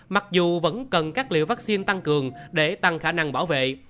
mặc dù vẫn cần các liệu vaccine tăng cường để tăng khả năng bảo vệ